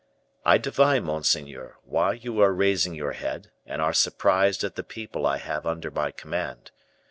"I divine, monseigneur, why you are raising your head, and are surprised at the people I have under my command.